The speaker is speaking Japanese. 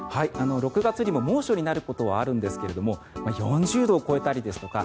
６月にも猛暑になることはあるんですが４０度を超えたりですとか